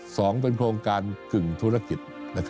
สองเป็นโครงการกึ่งธุรกิจ